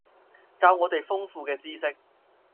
教我哋豐富嘅知識